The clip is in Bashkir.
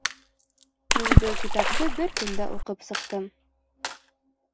Мин был китапты бер көндә уҡып сыҡтым